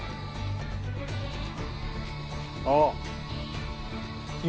あっ！